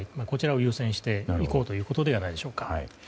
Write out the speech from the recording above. こちらを優先していこうということではないでしょうか。